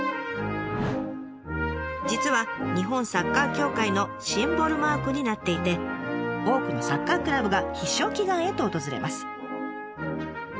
実は日本サッカー協会のシンボルマークになっていて多くのサッカークラブが必勝祈願へと訪れます。